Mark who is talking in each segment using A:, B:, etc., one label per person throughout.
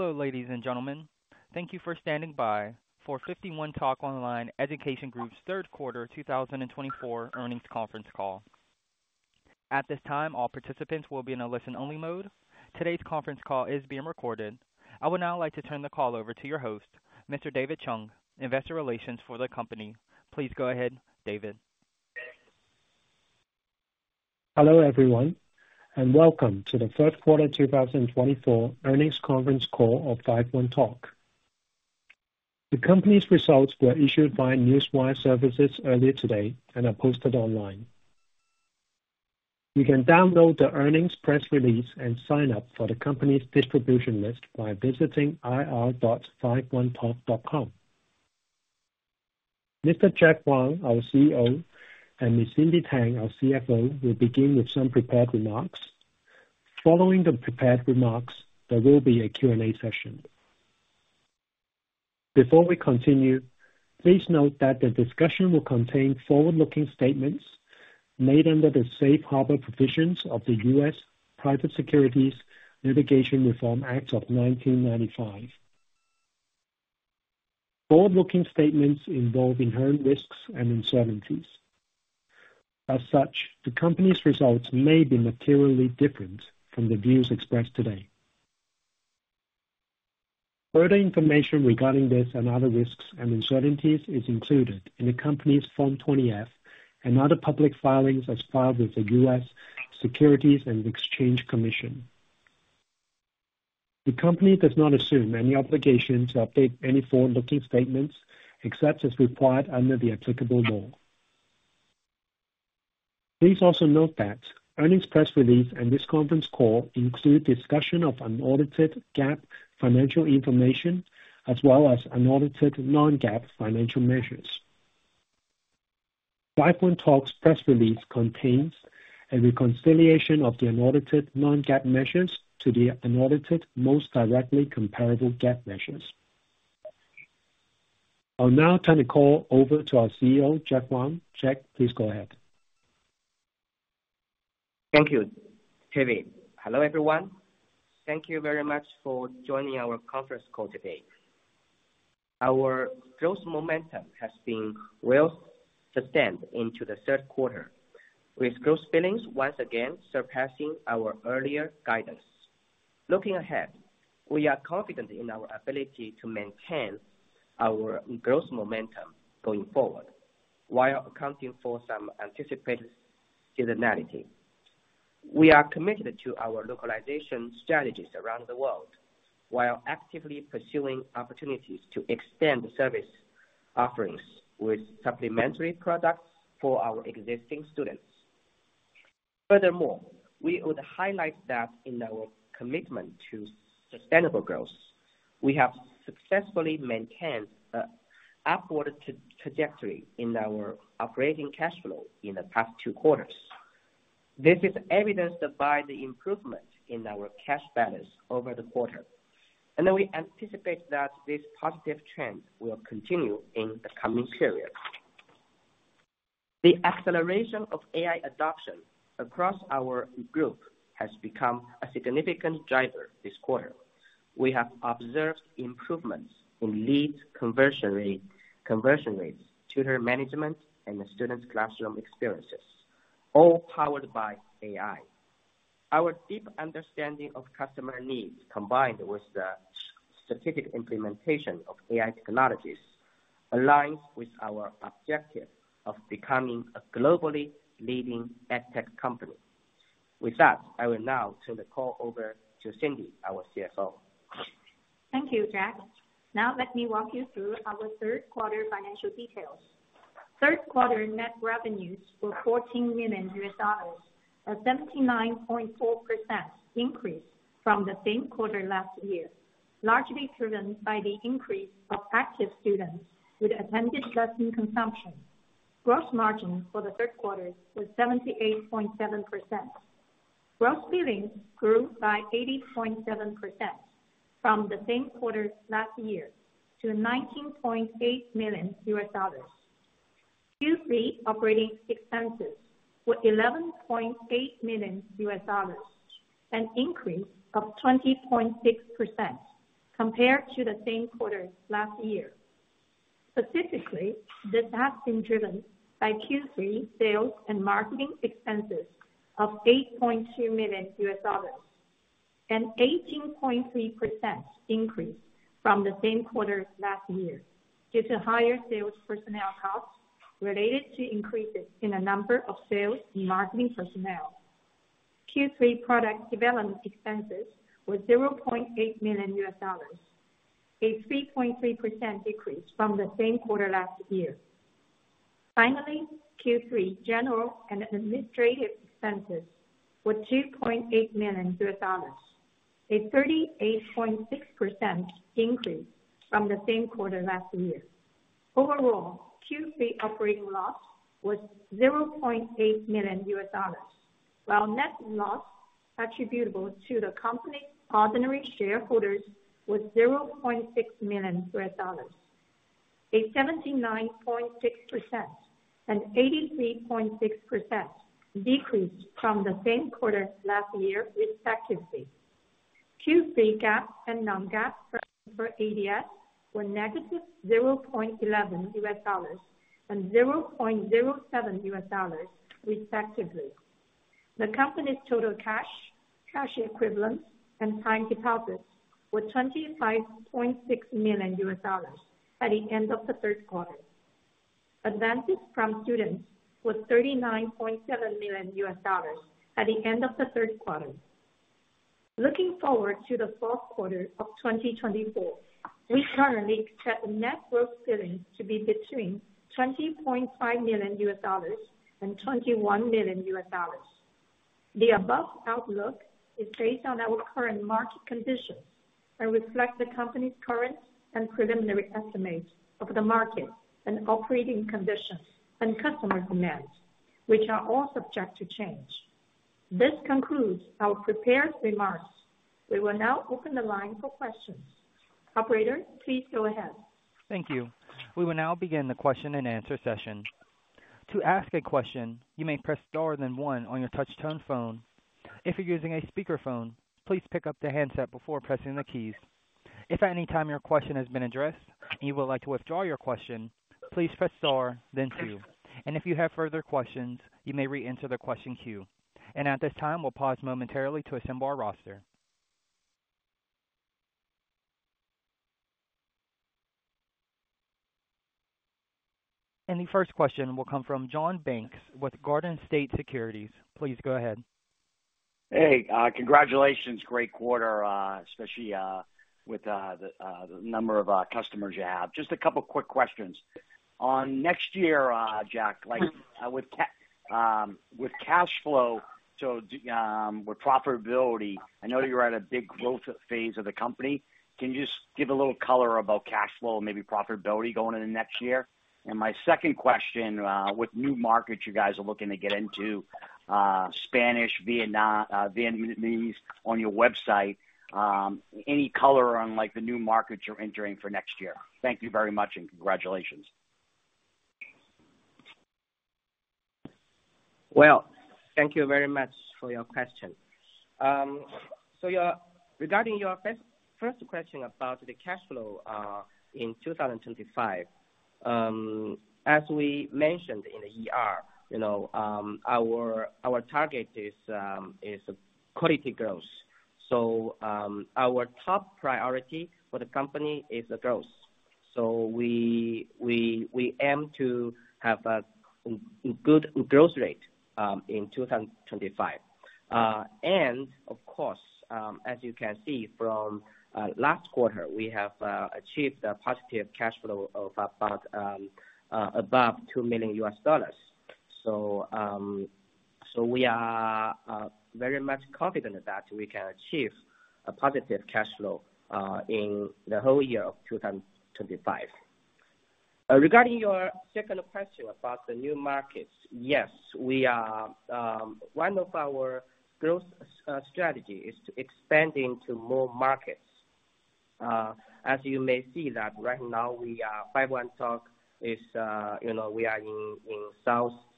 A: Hello, ladies and gentlemen. Thank you for standing by for 51Talk Online Education Group's Q3 2024 Earnings Conference Call. At this time, all participants will be in a listen-only mode. Today's conference call is being recorded. I would now like to turn the call over to your host, Mr. David Zhuang, Investor Relations for the company. Please go ahead, David.
B: Hello, everyone, and Welcome to the Q3 2024 Earnings Conference Call of 51Talk. The company's results were issued by Newswire Services earlier today and are posted online. You can download the earnings press release and sign up for the company's distribution list by visiting ir.51talk.com. Mr. Jack Huang, our CEO, and Ms. Cindy Tang, our CFO, will begin with some prepared remarks. Following the prepared remarks, there will be a Q&A session. Before we continue, please note that the discussion will contain forward-looking statements made under the Safe Harbor Provisions of the U.S. Private Securities Litigation Reform Act of 1995. Forward-looking statements involve inherent risks and uncertainties. As such, the company's results may be materially different from the views expressed today. Further information regarding this and other risks and uncertainties is included in the company's Form 20-F and other public filings as filed with the U.S. Securities and Exchange Commission. The company does not assume any obligation to update any forward-looking statements except as required under the applicable law. Please also note that earnings press release and this conference call include discussion of unaudited GAAP financial information as well as unaudited non-GAAP financial measures. 51Talk's press release contains a reconciliation of the unaudited non-GAAP measures to the unaudited most directly comparable GAAP measures. I'll now turn the call over to our CEO, Jack Huang. Jack, please go ahead.
C: Thank you, David. Hello, everyone. Thank you very much for joining our Conference call today. Our growth momentum has been well sustained into the Q3, with gross billings once again surpassing our earlier guidance. Looking ahead, we are confident in our ability to maintain our growth momentum going forward while accounting for some anticipated seasonality. We are committed to our localization strategies around the world while actively pursuing opportunities to extend service offerings with supplementary products for our existing students. Furthermore, we would highlight that in our commitment to sustainable growth, we have successfully maintained an upward trajectory in our operating cash flow in the past two quarters. This is evidenced by the improvement in our cash balance over the quarter, and we anticipate that this positive trend will continue in the coming period. The acceleration of AI adoption across our group has become a significant driver this quarter. We have observed improvements in lead conversion rates, tutor management, and student classroom experiences, all powered by AI. Our deep understanding of customer needs, combined with the strategic implementation of AI technologies, aligns with our objective of becoming a globally leading edtech company. With that, I will now turn the call over to Cindy, our CFO.
D: Thank you, Jack. Now, let me walk you through our Q3 financial details. Q3 net revenues were $14 million, a 79.4% increase from the same quarter last year, largely driven by the increase of active students with at least one lesson consumption. Gross margin for the Q3 was 78.7%. Gross billings grew by 80.7% from the same quarter last year to $19.8 million. Q3 operating expenses were $11.8 million, an increase of 20.6% compared to the same quarter last year. Specifically, this has been driven by Q3 sales and marketing expenses of $8.2 million, an 18.3% increase from the same quarter last year due to higher sales personnel costs related to increases in the number of sales and marketing personnel. Q3 product development expenses were $0.8 million, a 3.3% decrease from the same quarter last year. Finally, Q3 general and administrative expenses were $2.8 million, a 38.6% increase from the same quarter last year. Overall, Q3 operating loss was $0.8 million, while net loss attributable to the company's ordinary shareholders was $0.6 million, a 79.6% and 83.6% decrease from the same quarter last year, respectively. Q3 GAAP and non-GAAP per ADS were -$0.11 and -$0.07, respectively. The company's total cash, cash equivalents, and time deposits were $25.6 million at the end of the Q3. Advances from students were $39.7 million at the end of the Q3. Looking forward to the fourth quarter of 2024, we currently expect net gross billings to be between $20.5 million and $21 million. The above outlook is based on our current market conditions and reflects the company's current and preliminary estimates of the market and operating conditions and customer demands, which are all subject to change. This concludes our prepared remarks. We will now open the line for questions. Operator, please go ahead.
A: Thank you. We will now begin the question and answer session. To ask a question, you may press star then one on your touch-tone phone. If you're using a speakerphone, please pick up the handset before pressing the keys. If at any time your question has been addressed and you would like to withdraw your question, please press star then two. And if you have further questions, you may re-enter the question queue. And at this time, we'll pause momentarily to assemble our roster. And the first question will come from John Banks with Garden State Securities. Please go ahead.
E: Hey, congratulations. Great quarter, especially with the number of customers you have. Just a couple of quick questions. On next year, Jack, with cash flow, so with profitability, I know you're at a big growth phase of the company. Can you just give a little color about cash flow, maybe profitability going into next year? And my second question, with new markets you guys are looking to get into, Spanish, Vietnamese, on your website, any color on the new markets you're entering for next year? Thank you very much and congratulations.
C: Well, thank you very much for your question. So, regarding your first question about the cash flow in 2025, as we mentioned, our target is quality growth. So, our top priority for the company is growth. So, we aim to have a good growth rate in 2025. And, of course, as you can see from last quarter, we have achieved a positive cash flow of above $2 million. So, we are very much confident that we can achieve a positive cash flow in the whole year of 2025. Regarding your second question about the new markets, yes, one of our growth strategies is to expand into more markets. As you may see, right now, 51Talk, we are in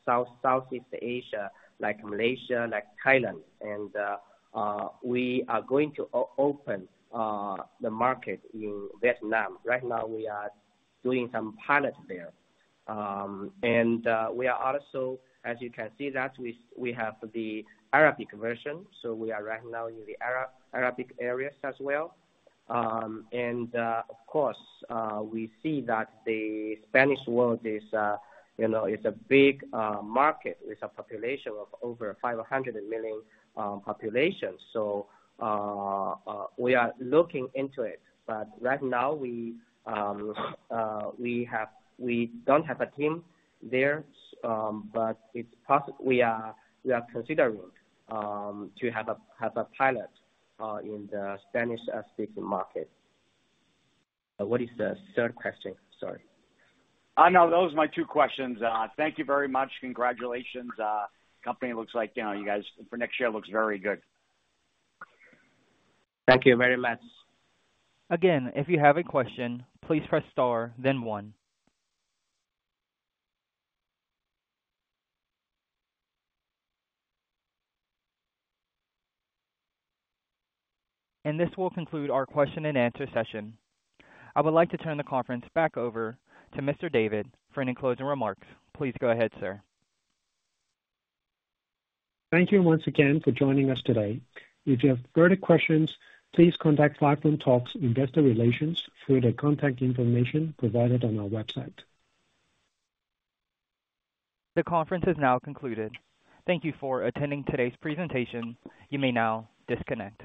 C: Southeast Asia, like Malaysia, like Thailand, and we are going to open the market in Vietnam. Right now, we are doing some pilot there. And we are also, as you can see, that we have the Arabic version. So we are right now in the Arabic areas as well. And of course, we see that the Spanish world is a big market with a population of over 500 million population. So we are looking into it. But right now, we don't have a team there, but we are considering to have a pilot in the Spanish-speaking market. What is the third question? Sorry.
E: No, those are my two questions. Thank you very much. Congratulations. Company looks like you guys for next year looks very good.
C: Thank you very much.
A: Again, if you have a question, please press star then one. And this will conclude our question and answer session. I would like to turn the conference back over to Mr. David for closing remarks. Please go ahead, sir.
B: Thank you once again for joining us today. If you have further questions, please contact 51Talk's Investor Relations through the contact information provided on our website.
A: The conference is now concluded. Thank you for attending today's presentation. You may now disconnect.